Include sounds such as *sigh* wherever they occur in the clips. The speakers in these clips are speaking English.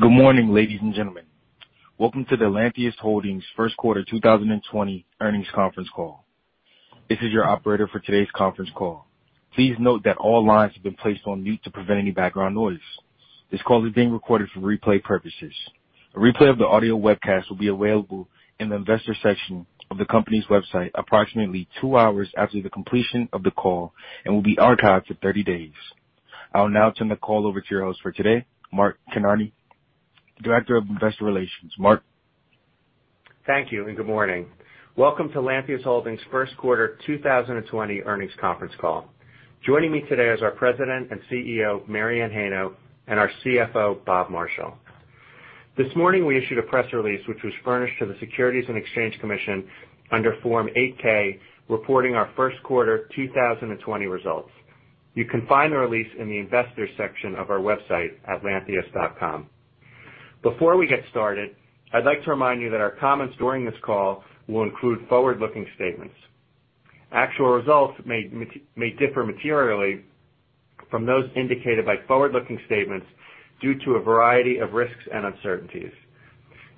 Good morning, ladies and gentlemen. Welcome to the Lantheus Holdings' first quarter 2020 earnings conference call. This is your operator for today's conference call. Please note that all lines have been placed on mute to prevent any background noise. This call is being recorded for replay purposes. A replay of the audio webcast will be available in the Investors section of the company's website approximately two hours after the completion of the call and will be archived for 30 days. I'll now turn the call over to your host for today, Mark Kinarney, Director of Investor Relations. Mark? Thank you, and good morning. Welcome to Lantheus Holdings' first quarter 2020 earnings conference call. Joining me today is our President and CEO, Mary Anne Heino, and our CFO, Bob Marshall. This morning, we issued a press release, which was furnished to the Securities and Exchange Commission under Form 8-K, reporting our first quarter 2020 results. You can find the release in the Investors section of our website at lantheus.com. Before we get started, I'd like to remind you that our comments during this call will include forward-looking statements. Actual results may differ materially from those indicated by forward-looking statements due to a variety of risks and uncertainties.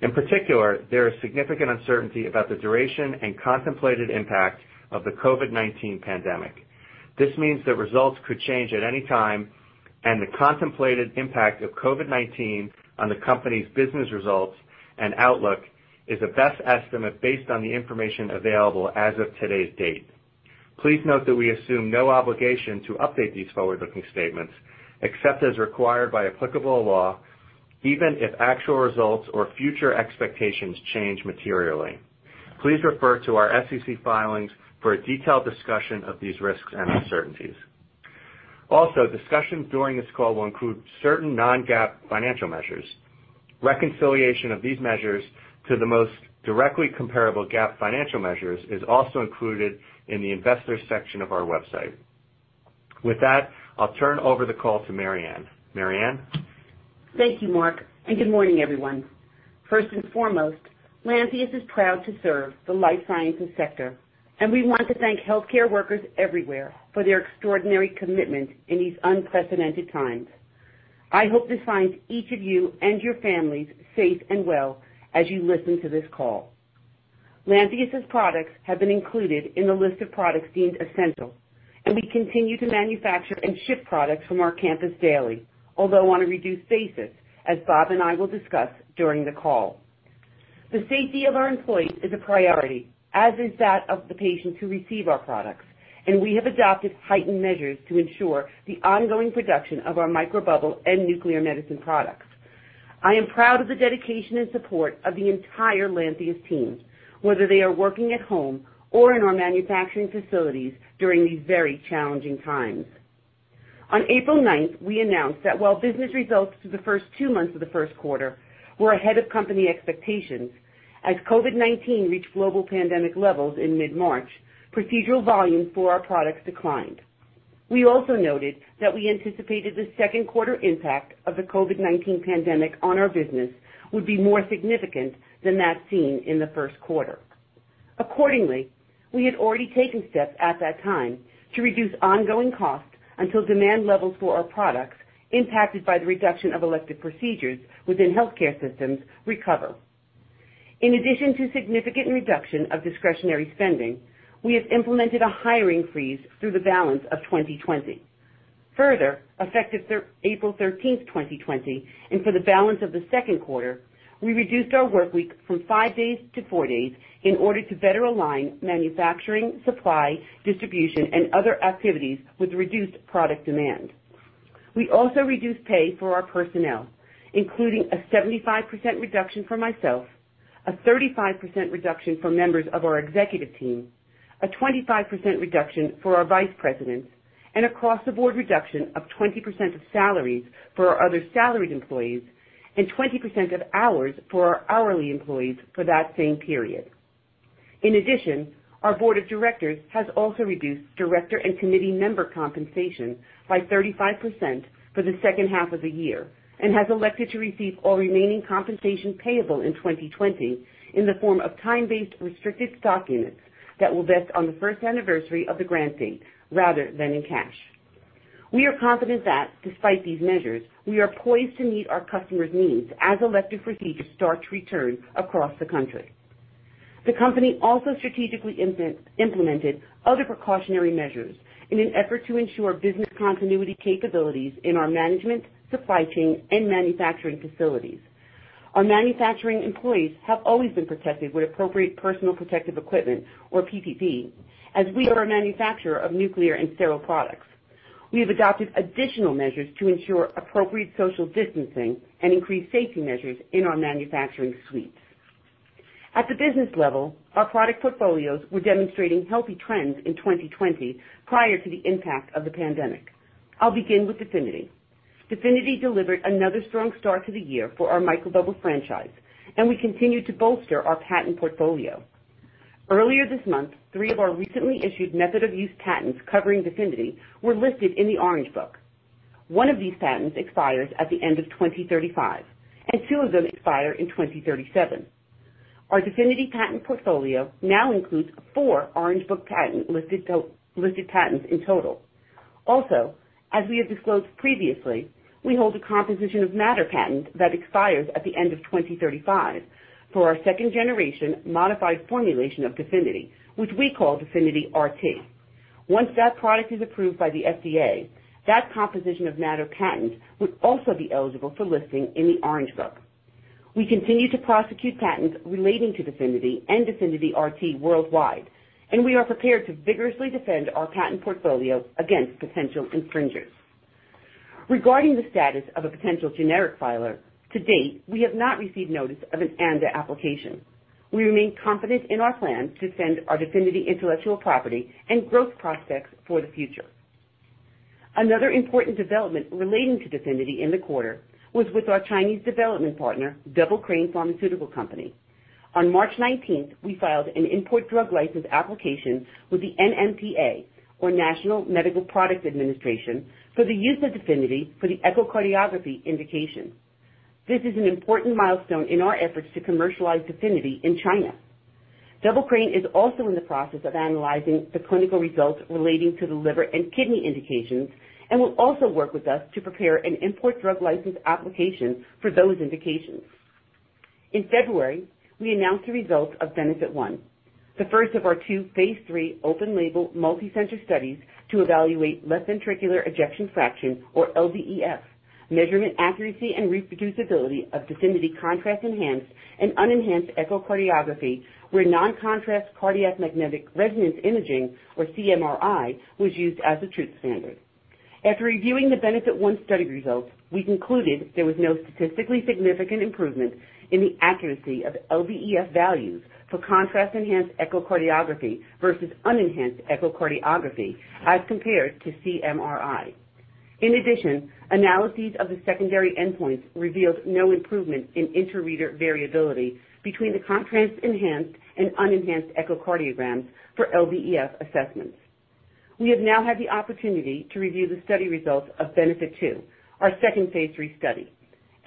In particular, there is significant uncertainty about the duration and contemplated impact of the COVID-19 pandemic. This means that results could change at any time, and the contemplated impact of COVID-19 on the company's business results and outlook is a best estimate based on the information available as of today's date. Please note that we assume no obligation to update these forward-looking statements, except as required by applicable law, even if actual results or future expectations change materially. Please refer to our SEC filings for a detailed discussion of these risks and uncertainties. Also, discussions during this call will include certain non-GAAP financial measures. Reconciliation of these measures to the most directly comparable GAAP financial measures is also included in the Investors section of our website. With that, I'll turn over the call to Mary Anne. Mary Anne? Thank you, Mark, and good morning, everyone. First and foremost, Lantheus is proud to serve the life sciences sector, and we want to thank healthcare workers everywhere for their extraordinary commitment in these unprecedented times. I hope this finds each of you and your families safe and well as you listen to this call. Lantheus' products have been included in the list of products deemed essential, and we continue to manufacture and ship products from our campus daily, although on a reduced basis, as Bob and I will discuss during the call. The safety of our employees is a priority, as is that of the patients who receive our products, and we have adopted heightened measures to ensure the ongoing production of our microbubble and nuclear medicine products. I am proud of the dedication and support of the entire Lantheus team, whether they are working at home or in our manufacturing facilities during these very challenging times. On April 9th, we announced that while business results for the first two months of the first quarter were ahead of company expectations, as COVID-19 reached global pandemic levels in mid-March, procedural volume for our products declined. We also noted that we anticipated the second quarter impact of the COVID-19 pandemic on our business would be more significant than that seen in the first quarter. Accordingly, we had already taken steps at that time to reduce ongoing costs until demand levels for our products, impacted by the reduction of elective procedures within healthcare systems, recover. In addition to significant reduction of discretionary spending, we have implemented a hiring freeze through the balance of 2020. Effective April 13th, 2020, and for the balance of the second quarter, we reduced our workweek from five days to four days in order to better align manufacturing, supply, distribution, and other activities with reduced product demand. We also reduced pay for our personnel, including a 75% reduction for myself, a 35% reduction for members of our executive team, a 25% reduction for our vice presidents, and across-the-board reduction of 20% of salaries for our other salaried employees and 20% of hours for our hourly employees for that same period. Our Board of Directors has also reduced director and committee member compensation by 35% for the second half of the year and has elected to receive all remaining compensation payable in 2020 in the form of time-based restricted stock units that will vest on the first anniversary of the grant date rather than in cash. We are confident that despite these measures, we are poised to meet our customers' needs as elective procedures start to return across the country. The company also strategically implemented other precautionary measures in an effort to ensure business continuity capabilities in our management, supply chain, and manufacturing facilities. Our manufacturing employees have always been protected with appropriate personal protective equipment, or PPE, as we are a manufacturer of nuclear and sterile products. We have adopted additional measures to ensure appropriate social distancing and increased safety measures in our manufacturing suites. At the business level, our product portfolios were demonstrating healthy trends in 2020 prior to the impact of the pandemic. I'll begin with DEFINITY. DEFINITY delivered another strong start to the year for our microbubble franchise, and we continued to bolster our patent portfolio. Earlier this month, three of our recently issued method-of-use patents covering DEFINITY were listed in the Orange Book. One of these patents expires at the end of 2035, and two of them expire in 2037. Our DEFINITY patent portfolio now includes four Orange Book-listed patents in total. As we have disclosed previously, we hold a composition of matter patent that expires at the end of 2035 for our second generation modified formulation of DEFINITY, which we call DEFINITY RT. Once that product is approved by the FDA, that composition of matter patent would also be eligible for listing in the Orange Book. We continue to prosecute patents relating to DEFINITY and DEFINITY RT worldwide, and we are prepared to vigorously defend our patent portfolio against potential infringers. Regarding the status of a potential generic filer, to date, we have not received notice of an ANDA application. We remain confident in our plan to defend our DEFINITY intellectual property and growth prospects for the future. Another important development relating to DEFINITY in the quarter was with our Chinese development partner, Double-Crane Pharmaceutical Company. On March 19th, we filed an import drug license application with the NMPA, or National Medical Products Administration, for the use of DEFINITY for the echocardiography indication. This is an important milestone in our efforts to commercialize DEFINITY in China. Double-Crane is also in the process of analyzing the clinical results relating to the liver and kidney indications and will also work with us to prepare an import drug license application for those indications. In February, we announced the results of BENEFIT 1, the first of our two phase III open-label multi-center studies to evaluate left ventricular ejection fraction, or LVEF, measurement accuracy and reproducibility of DEFINITY contrast-enhanced and unenhanced echocardiography, where non-contrast cardiac magnetic resonance imaging, or CMRI, was used as a truth standard. After reviewing the BENEFIT 1 study results, we concluded there was no statistically significant improvement in the accuracy of LVEF values for contrast-enhanced echocardiography versus unenhanced echocardiography as compared to CMRI. In addition, analyses of the secondary endpoints revealed no improvement in inter-reader variability between the contrast-enhanced and unenhanced echocardiograms for LVEF assessments. We have now had the opportunity to review the study results of BENEFIT 2, our second phase III study,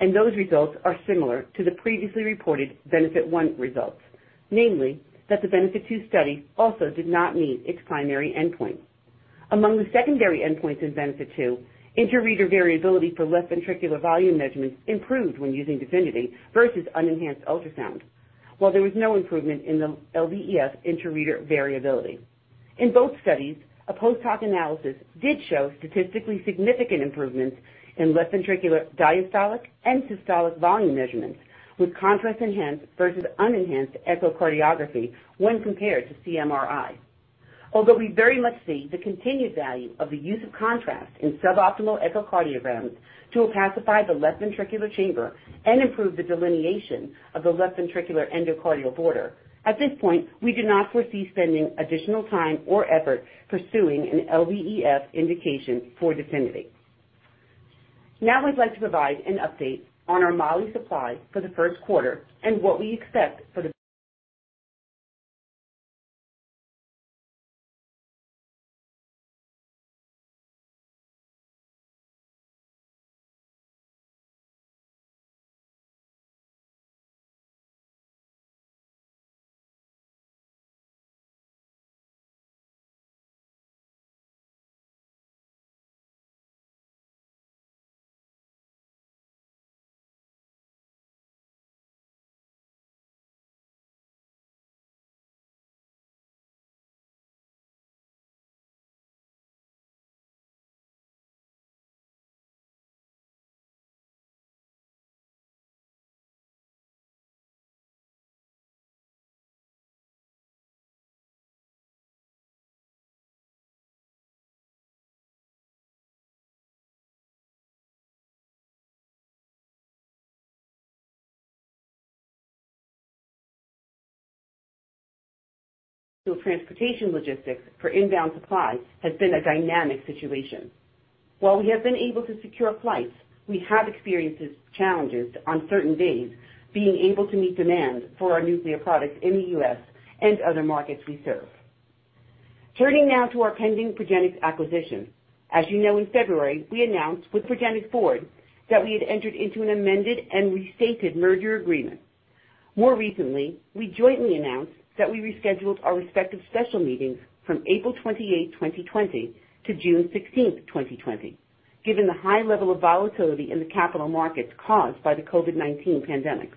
and those results are similar to the previously reported BENEFIT 1 results, namely that the BENEFIT 2 study also did not meet its primary endpoint. Among the secondary endpoints in BENEFIT 2, inter-reader variability for left ventricular volume measurements improved when using DEFINITY versus unenhanced ultrasound while there was no improvement in the LVEF inter-reader variability. In both studies, a post-hoc analysis did show statistically significant improvements in left ventricular diastolic and systolic volume measurements with contrast-enhanced versus unenhanced echocardiography when compared to CMRI. Although we very much see the continued value of the use of contrast in suboptimal echocardiograms to opacify the left ventricular chamber and improve the delineation of the left ventricular endocardial border, at this point, we do not foresee spending additional time or effort pursuing an LVEF indication for DEFINITY. I'd like to provide an update on our moly supply for the first quarter and what we expect for the. *inaudible* Transportation logistics for inbound supply has been a dynamic situation. While we have been able to secure flights, we have experienced challenges on certain days being able to meet demand for our nuclear products in the U.S. and other markets we serve. Turning now to our pending Progenics acquisition. As you know, in February, we announced with Progenics' board that we had entered into an amended and restated merger agreement. More recently, we jointly announced that we rescheduled our respective special meetings from April 28th, 2020 to June 16th, 2020 given the high level of volatility in the capital markets caused by the COVID-19 pandemic.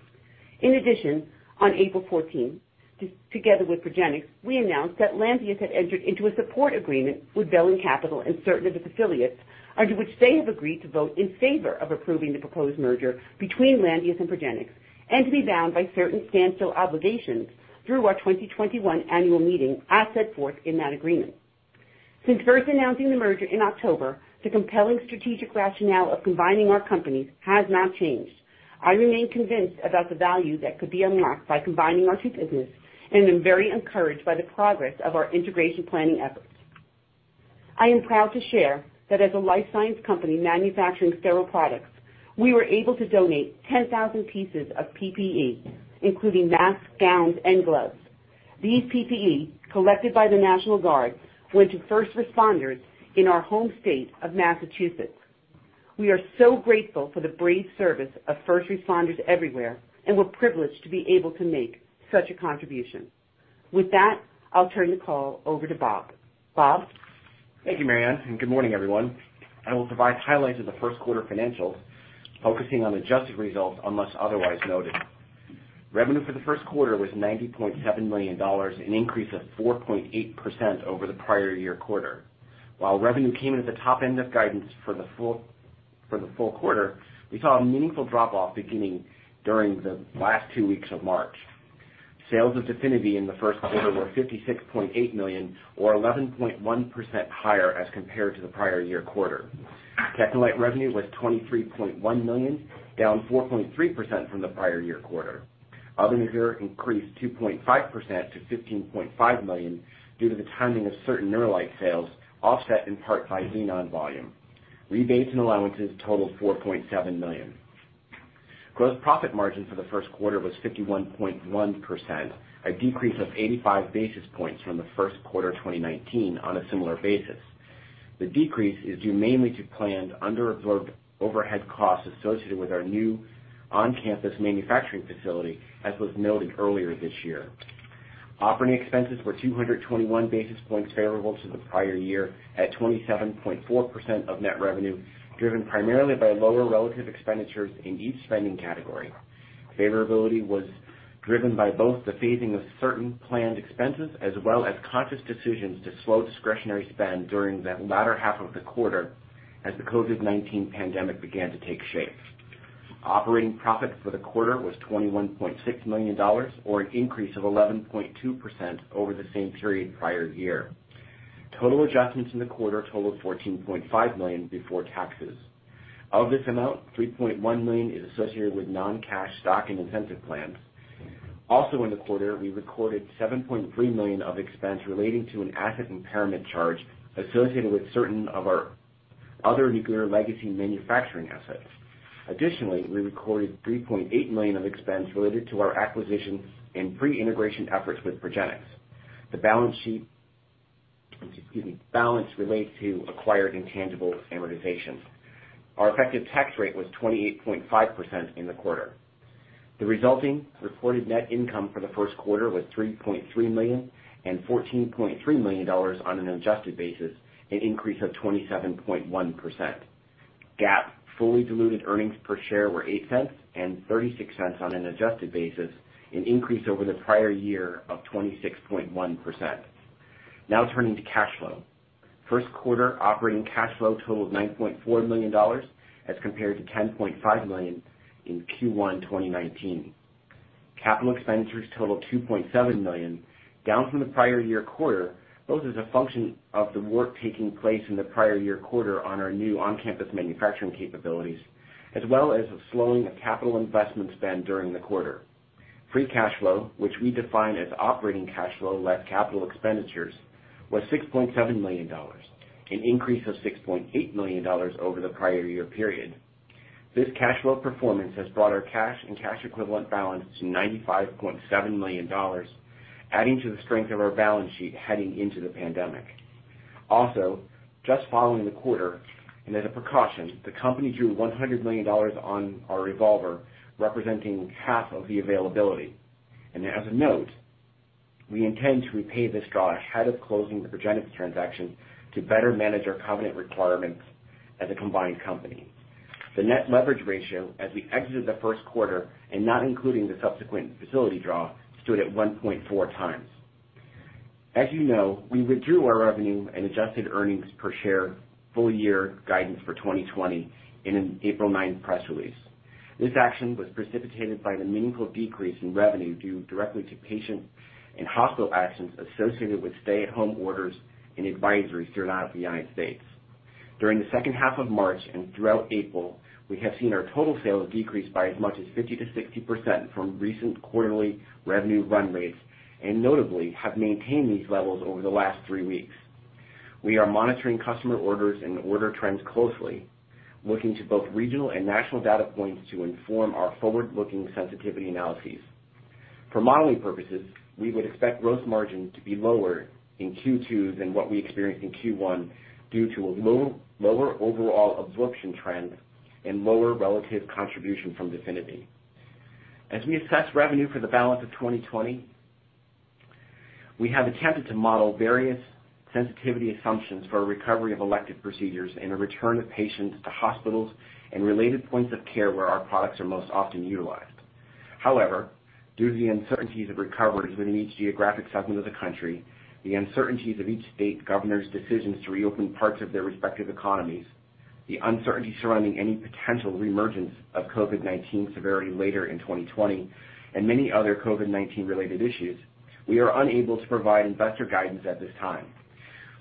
In addition, on April 14th, together with Progenics, we announced that Lantheus had entered into a support agreement with Velan Capital and certain of its affiliates under which they have agreed to vote in favor of approving the proposed merger between Lantheus and Progenics and to be bound by certain standstill obligations through our 2021 annual meeting as set forth in that agreement. Since first announcing the merger in October, the compelling strategic rationale of combining our companies has not changed. I remain convinced about the value that could be unlocked by combining our two businesses, and I'm very encouraged by the progress of our integration planning efforts. I am proud to share that as a life science company manufacturing sterile products, we were able to donate 10,000 pieces of PPE, including masks, gowns, and gloves. These PPE, collected by the National Guard, went to first responders in our home state of Massachusetts. We are so grateful for the brave service of first responders everywhere, and we're privileged to be able to make such a contribution. With that, I'll turn the call over to Bob. Bob? Thank you, Mary Anne, and good morning, everyone. I will provide highlights of the first quarter financials, focusing on adjusted results unless otherwise noted. Revenue for the first quarter was $90.7 million, an increase of 4.8% over the prior-year quarter. While revenue came into the top end of guidance for the full quarter, we saw a meaningful drop-off beginning during the last two weeks of March. Sales of DEFINITY in the first quarter were $56.8 million, or 11.1% higher as compared to the prior-year quarter. TECHNELITE revenue was $23.1 million, down 4.3% from the prior-year quarter. Other nuclear increased 2.5% to $15.5 million due to the timing of certain NEUROLITE sales, offset in part by Xenon volume. Rebates and allowances totaled $4.7 million. Gross profit margin for the first quarter was 51.1%, a decrease of 85 basis points from the first quarter 2019 on a similar basis. The decrease is due mainly to planned under-absorbed overhead costs associated with our new on-campus manufacturing facility, as was noted earlier this year. Operating expenses were 221 basis points favorable to the prior year, at 27.4% of net revenue, driven primarily by lower relative expenditures in each spending category. Favorability was driven by both the phasing of certain planned expenses, as well as conscious decisions to slow discretionary spend during that latter half of the quarter as the COVID-19 pandemic began to take shape. Operating profit for the quarter was $21.6 million, or an increase of 11.2% over the same period prior year. Total adjustments in the quarter totaled $14.5 million before taxes. Of this amount, $3.1 million is associated with non-cash stock and incentive plans. Also in the quarter, we recorded $7.3 million of expense relating to an asset impairment charge associated with certain of our other nuclear legacy manufacturing assets. Additionally, we recorded $3.8 million of expense related to our acquisition and pre-integration efforts with Progenics. The balance relates to acquired intangible amortization. Our effective tax rate was 28.5% in the quarter. The resulting reported net income for the first quarter was $3.3 million and $14.3 million on an adjusted basis, an increase of 27.1%. GAAP fully diluted earnings per share were $0.08 and $0.36 on an adjusted basis, an increase over the prior year of 26.1%. Now turning to cash flow. First quarter operating cash flow totaled $9.4 million as compared to $10.5 million in Q1 2019. Capital expenditures totaled $2.7 million, down from the prior-year quarter, both as a function of the work taking place in the prior-year quarter on our new on-campus manufacturing capabilities, as well as a slowing of capital investment spend during the quarter. Free cash flow, which we define as operating cash flow less capital expenditures, was $6.7 million, an increase of $6.8 million over the prior-year period. This cash flow performance has brought our cash and cash equivalent balance to $95.7 million, adding to the strength of our balance sheet heading into the pandemic. Just following the quarter, and as a precaution, the company drew $100 million on our revolver, representing half of the availability. As a note, we intend to repay this draw ahead of closing the Progenics transaction to better manage our covenant requirements as a combined company. The net leverage ratio as we exited the first quarter and not including the subsequent facility draw, stood at 1.4x. As you know, we withdrew our revenue and adjusted earnings per share full-year guidance for 2020 in an April 9th press release. This action was precipitated by the meaningful decrease in revenue due directly to patient and hospital actions associated with stay-at-home orders and advisories throughout the U.S. During the second half of March and throughout April, we have seen our total sales decrease by as much as 50%-60% from recent quarterly revenue run rates, and notably, have maintained these levels over the last three weeks. We are monitoring customer orders and order trends closely, looking to both regional and national data points to inform our forward-looking sensitivity analyses. For modeling purposes, we would expect gross margin to be lower in Q2 than what we experienced in Q1 due to a lower overall absorption trend and lower relative contribution from DEFINITY. As we assess revenue for the balance of 2020, we have attempted to model various sensitivity assumptions for a recovery of elective procedures and a return of patients to hospitals and related points of care where our products are most often utilized. Due to the uncertainties of recoveries within each geographic segment of the country, the uncertainties of each state governor's decisions to reopen parts of their respective economies, the uncertainty surrounding any potential reemergence of COVID-19 severity later in 2020, and many other COVID-19 related issues, we are unable to provide investor guidance at this time.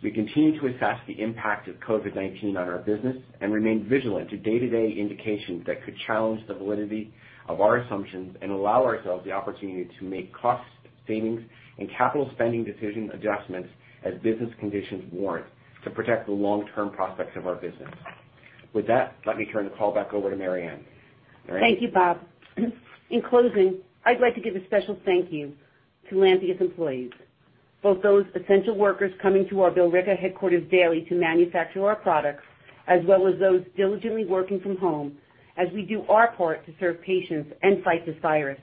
We continue to assess the impact of COVID-19 on our business and remain vigilant to day-to-day indications that could challenge the validity of our assumptions and allow ourselves the opportunity to make cost savings and capital spending decision adjustments as business conditions warrant to protect the long-term prospects of our business. With that, let me turn the call back over to Mary Anne. Mary Anne? Thank you, Bob. In closing, I'd like to give a special thank you to Lantheus employees. Both those essential workers coming to our Billerica headquarters daily to manufacture our products, as well as those diligently working from home as we do our part to serve patients and fight this virus.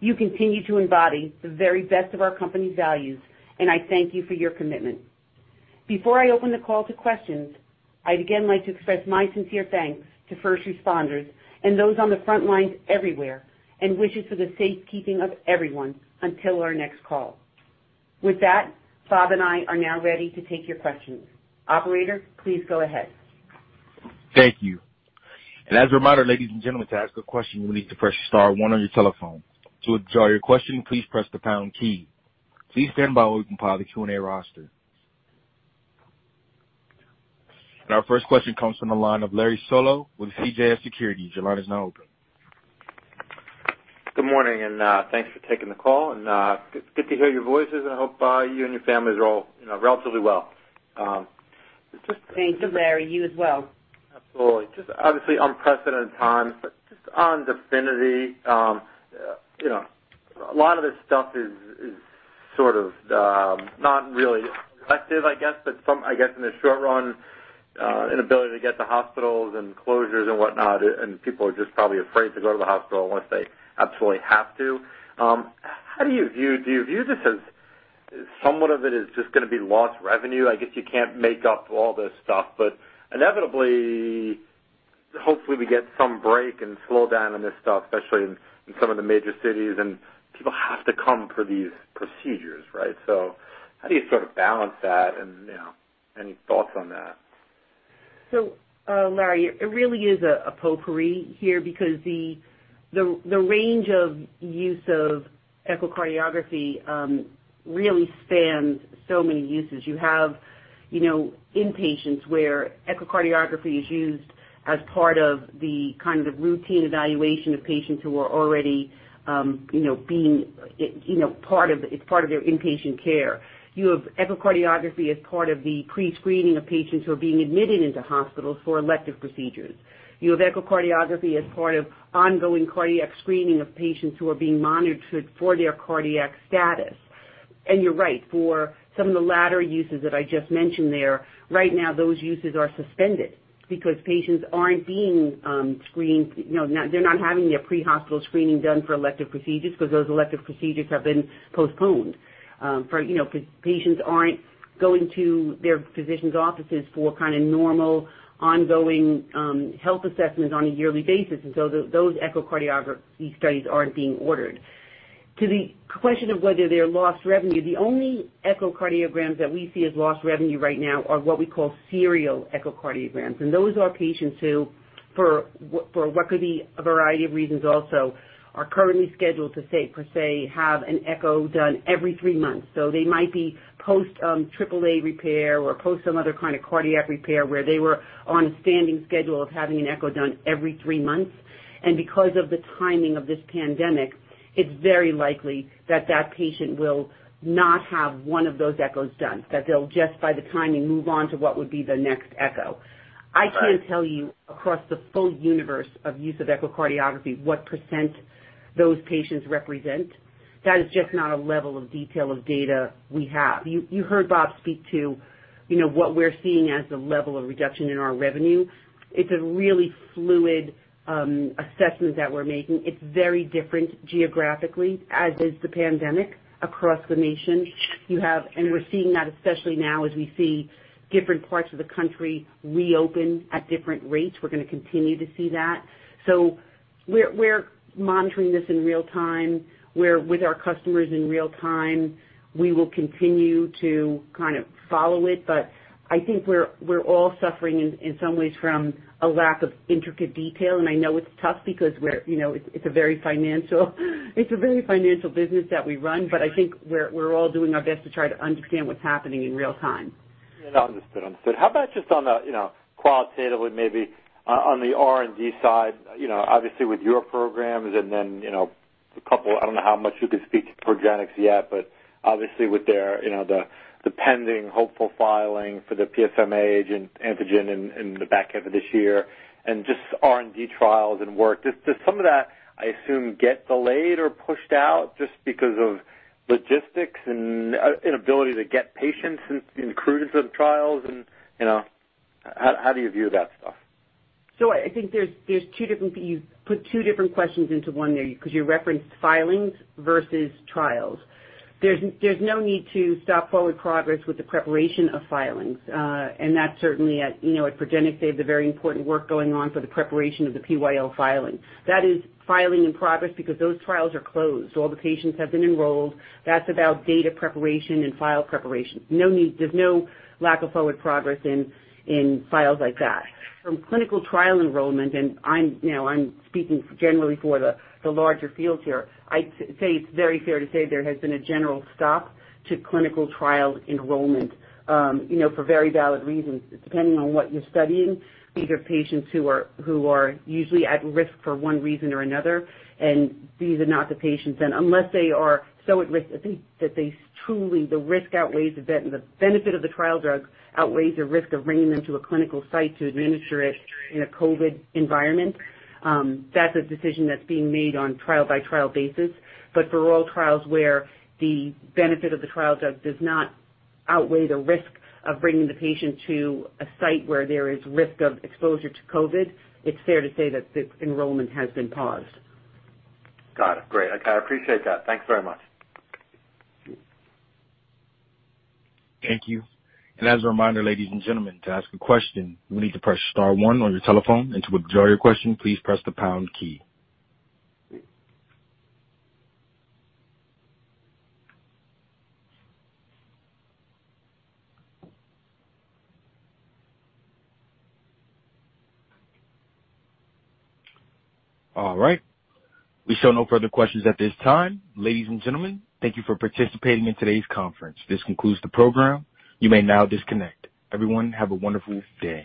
You continue to embody the very best of our company values. I thank you for your commitment. Before I open the call to questions, I'd again like to express my sincere thanks to first responders and those on the front lines everywhere, and wishes for the safekeeping of everyone until our next call. With that, Bob and I are now ready to take your questions. Operator, please go ahead. Thank you. As a reminder, ladies and gentlemen, to ask a question, you will need to press star one on your telephone. To withdraw your question, please press the pound key. Please stand by while we compile the Q&A roster. Our first question comes from the line of Larry Solow with CJS Securities. Your line is now open. Good morning, thanks for taking the call and good to hear your voices, and I hope you and your families are all relatively well. Thanks, Larry. You as well. Absolutely. Just obviously unprecedented times, but just on DEFINITY, a lot of this stuff is sort of not really effective, I guess, but I guess in the short run, inability to get to hospitals and closures and whatnot, and people are just probably afraid to go to the hospital unless they absolutely have to. Do you view this as somewhat of it is just going to be lost revenue? I guess you can't make up all this stuff, but inevitably, hopefully we get some break and slow down on this stuff, especially in some of the major cities, and people have to come for these procedures, right? How do you sort of balance that and any thoughts on that? Larry, it really is a potpourri here because the range of use of echocardiography really spans so many uses. You have inpatients where echocardiography is used as part of the kind of routine evaluation of patients who are already, it's part of their inpatient care. You have echocardiography as part of the pre-screening of patients who are being admitted into hospitals for elective procedures. You have echocardiography as part of ongoing cardiac screening of patients who are being monitored for their cardiac status. You're right, for some of the latter uses that I just mentioned there, right now, those uses are suspended because patients aren't being screened. They're not having their pre-hospital screening done for elective procedures because those elective procedures have been postponed. Patients aren't going to their physician's offices for kind of normal, ongoing health assessments on a yearly basis. Those echocardiography studies aren't being ordered. To the question of whether they're lost revenue, the only echocardiograms that we see as lost revenue right now are what we call serial echocardiograms. Those are patients who, for what could be a variety of reasons also, are currently scheduled to, say, have an echo done every three months. They might be post-AAA repair or post some other kind of cardiac repair where they were on a standing schedule of having an echo done every three months. Because of the timing of this pandemic, it's very likely that that patient will not have one of those echoes done, that they'll just, by the timing, move on to what would be the next echo. Right. I can't tell you across the full universe of use of echocardiography what percent those patients represent. That is just not a level of detail of data we have. You heard Bob speak to what we're seeing as the level of reduction in our revenue. It's a really fluid assessment that we're making. It's very different geographically, as is the pandemic across the nation. We're seeing that especially now as we see different parts of the country reopen at different rates. We're going to continue to see that. We're monitoring this in real time. We're with our customers in real time. We will continue to kind of follow it, but I think we're all suffering in some ways from a lack of intricate detail. I know it's tough because it's a very financial business that we run, but I think we're all doing our best to try to understand what's happening in real time. Yeah. No, understood. How about just on the qualitatively, maybe on the R&D side, obviously with your programs and then a couple, I don't know how much you can speak to Progenics yet, but obviously with the pending hopeful filing for the PSMA antigen in the back half of this year and just R&D trials and work. Does some of that, I assume, get delayed or pushed out just because of logistics and inability to get patients included for the trials? How do you view that stuff? I think you put two different questions into one there because you referenced filings versus trials. There's no need to stop forward progress with the preparation of filings. That certainly at Progenics, they have the very important work going on for the preparation of the PyL filing. That is filing in progress because those trials are closed. All the patients have been enrolled. That's about data preparation and file preparation. There's no lack of forward progress in files like that. From clinical trial enrollment, and I'm speaking generally for the larger fields here, I'd say it's very fair to say there has been a general stop to clinical trial enrollment for very valid reasons. Depending on what you're studying, these are patients who are usually at risk for one reason or another, and these are not the patients. Unless they are so at risk that truly the risk outweighs the benefit of the trial drug outweighs the risk of bringing them to a clinical site to administer it in a COVID-19 environment, that's a decision that's being made on trial-by-trial basis. For all trials where the benefit of the trial drug does not outweigh the risk of bringing the patient to a site where there is risk of exposure to COVID-19, it's fair to say that the enrollment has been paused. Got it. Great. I appreciate that. Thanks very much. Thank you. As a reminder, ladies and gentlemen, to ask a question, you will need to press star one on your telephone, and to withdraw your question, please press the pound key. All right. We show no further questions at this time. Ladies and gentlemen, thank you for participating in today's conference. This concludes the program. You may now disconnect. Everyone, have a wonderful day.